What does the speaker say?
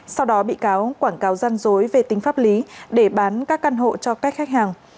sau đó bị cáo quảng cáo gian dối về tính pháp lý để bán các căn hộ cho các khách hàng